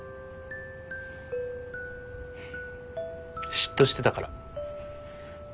嫉妬してたから。